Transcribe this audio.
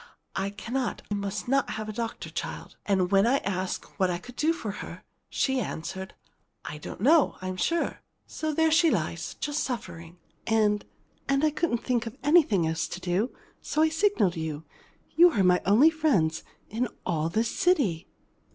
I cannot, must not have a doctor, child!' And when I asked what I could do for her, she answered, 'I don't know, I'm sure!' So there she lies just suffering. And and I couldn't think of anything else to do, so I signaled to you. You are my only friends in all this city!"